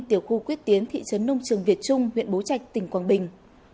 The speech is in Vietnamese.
tiểu khu quyết tiến thị trấn nông trường việt trung huyện bố trạch tỉnh quảng bình